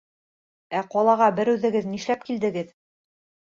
Ә ҡалаға бер үҙегеҙ нишләп килдегеҙ?